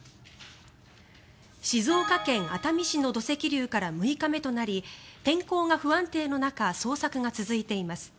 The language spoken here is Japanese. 静岡県熱海市の土石流から６日目となり天候が不安定の中捜索が続いています。